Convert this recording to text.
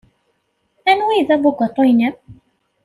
Anwa ay d abugaṭu-nnem?